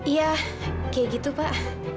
iya kayak gitu pak